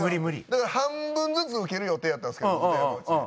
だから半分ずつ受ける予定やったんですけど僕と山内で。